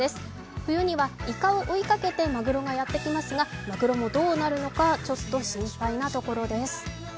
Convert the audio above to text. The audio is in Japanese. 冬にはいかを追いかけてまぐろがやってきますがまぐろもどうなるのか、ちょっと心配なところです。